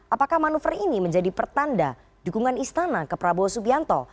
apakah manuver ini menjadi pertanda dukungan istana ke prabowo subianto